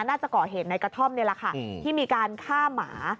น่าจะก่อเหตุในกระท่อมนี่แหละค่ะที่มีการฆ่าหมา